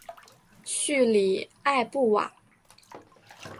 叙里埃布瓦。